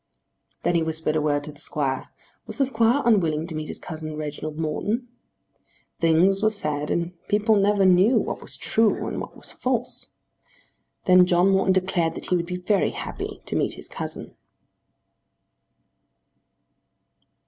Then he whispered a word to the Squire. Was the Squire unwilling to meet his cousin Reginald Morton? Things were said and people never knew what was true and what was false. Then John Morton declared that he would be very happy to meet his cousin.